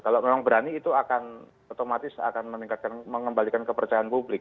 kalau memang berani itu akan otomatis akan meningkatkan mengembalikan kepercayaan publik